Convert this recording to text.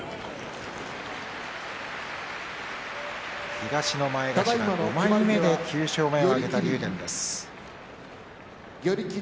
東の前頭５枚目で９勝目を挙げた竜電です。